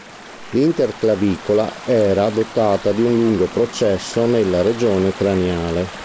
L'interclavicola era dotata di un lungo processo nella regione craniale.